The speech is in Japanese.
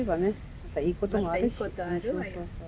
またいいことあるわよ。